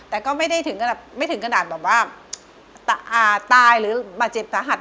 แต่ก็ไม่ถึงด้านตายหรือมาเจ็บตาหัด